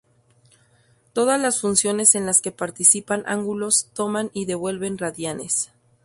Todas las funciones en las que participan ángulos toman y devuelven radianes.